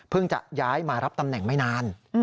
จะย้ายมารับตำแหน่งไม่นาน